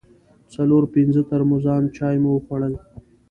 څلور پنځه ترموزان چای مو وخوړل.